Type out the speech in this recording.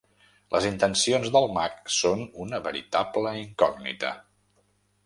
Les intencions del mag són una veritable incògnita.